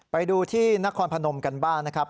ไปดูที่นครพนมกันบ้างนะครับ